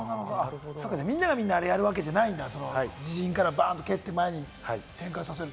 みんながみんな、あれやるわけじゃないんだ、自陣からバーンと蹴って前に展開させる。